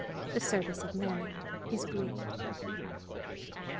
The service of Mammon is greed.